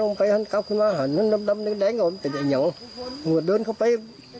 นึกได้นี่ก็เป็นอย่างเงินเหมือนเดินคลุมเข้าไป